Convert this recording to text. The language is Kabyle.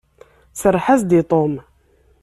Serreḥ-as-d i Tom.